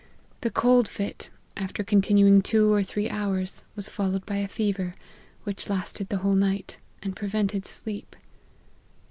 The cold fit, after continuing two or three hours, was followed by a fever, which lasted the whole night, and prevented sleep.